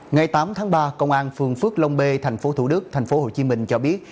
ngày tám tháng ba công an phường phước long b tp thủ đức tp hcm cho biết